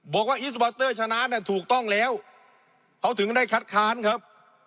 อิสบอเตอร์ชนะเนี่ยถูกต้องแล้วเขาถึงได้คัดค้านครับ